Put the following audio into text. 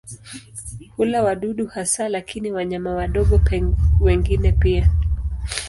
Hula wadudu hasa lakini wanyama wadogo wengine pia.